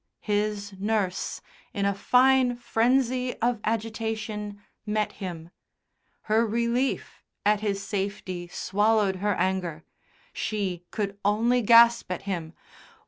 His nurse, in a fine frenzy of agitation, met him. Her relief at his safety swallowed her anger. She could only gasp at him.